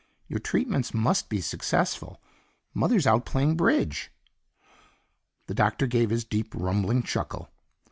"Your treatments must be successful; Mother's out playing bridge." The Doctor gave his deep, rumbling chuckle.